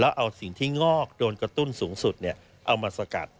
แล้วเอาสิ่งที่งอกโดนกระตุ้นสูงสุดเอามาสกัด